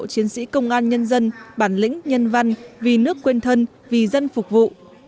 chiến sĩ công an nhân dân bản lĩnh nhân văn vì nước quên thân vì dân phục vụ